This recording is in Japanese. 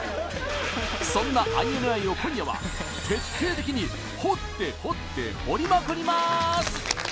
そんなＩＮＩを、今夜は徹底的に掘って掘って掘りまくります！